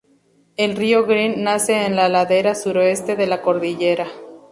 El río Green nace en la ladera suroeste de la cordillera.